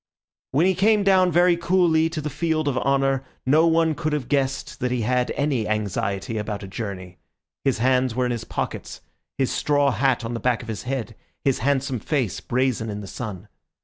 When he came down very coolly to the field of honour, no one could have guessed that he had any anxiety about a journey; his hands were in his pockets, his straw hat on the back of his head, his handsome face brazen in the sun.